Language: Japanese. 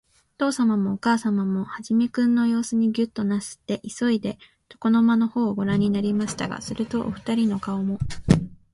おとうさまもおかあさまも、始君のようすにギョッとなすって、いそいで、床の間のほうをごらんになりましたが、すると、おふたりの顔も、